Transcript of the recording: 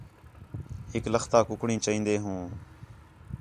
ہِک لختا کُکڑیں چائین٘دے ہوں